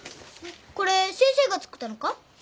これ先生が作ったのか？